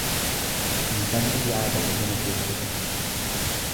Intalli yaada bosona keessatti.